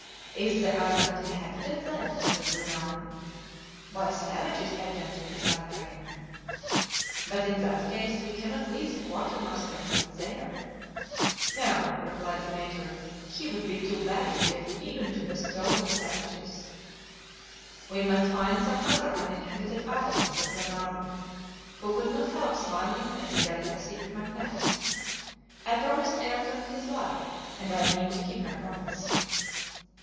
"Is the island inhabited then?" said Glenarvan. "By savages, evidently," replied Paganel. "But in that case, we cannot leave the quartermaster there." "No," replied the Major, "he would be too bad a gift even to bestow on savages." "We must find some other uninhabited island," said Glenarvan, who could not help smiling at the delicacy of McNabbs. "I promised Ayrton his life, and I mean to keep my promise."